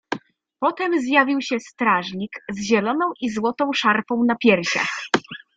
"Potem zjawił się strażnik z zieloną i złotą szarfą na piersiach."